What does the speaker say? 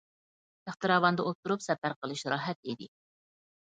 تەختىراۋاندا ئولتۇرۇپ سەپەر قىلىش راھەت ئىدى.